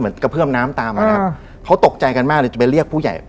กระเพื่อมน้ำตามมานะครับเขาตกใจกันมากเลยจะไปเรียกผู้ใหญ่